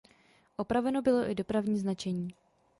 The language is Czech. Opraveno bylo i dopravní značení.